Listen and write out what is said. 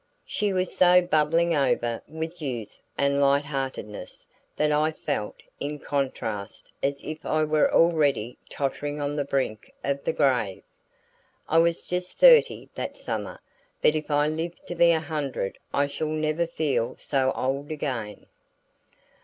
She was so bubbling over with youth and light heartedness that I felt, in contrast, as if I were already tottering on the brink of the grave. I was just thirty that summer, but if I live to be a hundred I shall never feel so old again.